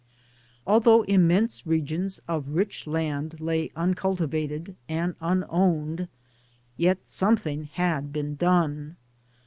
' Although immense regbns of rich land lay un cultivated and unowned, yet something had been done.